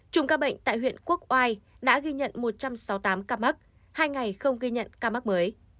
chùm ca bệnh tại huyện quốc oai có hai trăm sáu mươi tám ca mắc hiện hai ngày không ghi nhận ca mắc mới